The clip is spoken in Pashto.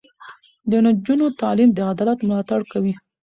د نجونو تعلیم د عدالت ملاتړ کوي.